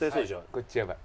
こっちやばい。